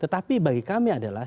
tetapi bagi kami adalah